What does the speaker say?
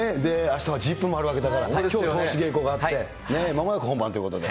あしたはＺＩＰ！もあるわけだから、きょう、通し稽古があって、まもなく本番ということで。